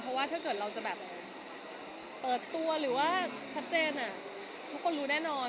เพราะว่าถ้าเกิดเราจะแบบเปิดตัวหรือว่าชัดเจน